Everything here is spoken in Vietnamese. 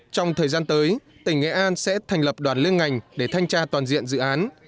trong thời gian tới tỉnh nghệ an sẽ thành lập đoàn liên ngành để thanh tra toàn diện dự án